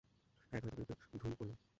হ্যাঁ, গাড়িতে গাড়িতে ধুল পরিমাণ।